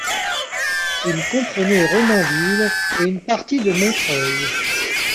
Il comprenait Romainville et une partie de Montreuil.